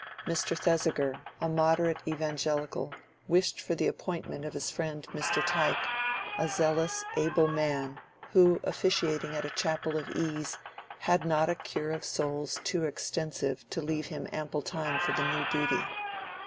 Mr. Thesiger, a moderate evangelical, wished for the appointment of his friend Mr. Tyke, a zealous able man, who, officiating at a chapel of ease, had not a cure of souls too extensive to leave him ample time for the new duty.